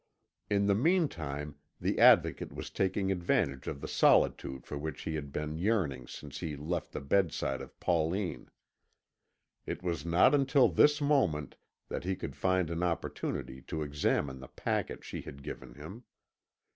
In the meantime the Advocate was taking advantage of the solitude for which he had been yearning since he left the bedside of Pauline. It was not until this moment that he could find an opportunity to examine the packet she had given him.